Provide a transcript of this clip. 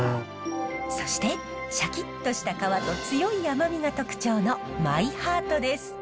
そしてシャキッとした皮と強い甘みが特徴のマイハートです。